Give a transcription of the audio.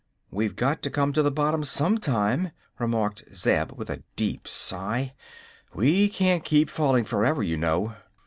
"We've got to come to the bottom some time," remarked Zeb, with a deep sigh. "We can't keep falling forever, you know."